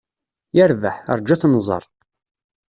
Yerbeḥ, rju ad t-nẓer.